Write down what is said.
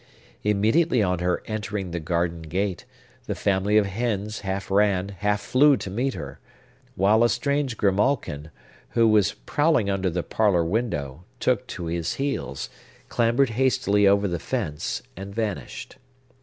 Immediately on her entering the garden gate, the family of hens half ran, half flew to meet her; while a strange grimalkin, which was prowling under the parlor window, took to his heels, clambered hastily over the fence, and vanished.